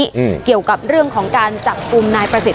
วันนี้ก็เกี่ยวกับเรื่องของการจับปุ่มนายประสิทธิ์